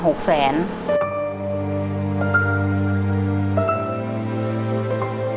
ช่วยล่ีครั้งล่าะ